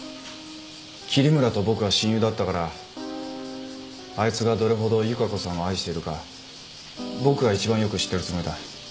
桐村と僕は親友だったからあいつがどれほど由加子さんを愛しているか僕が一番よく知ってるつもりだ。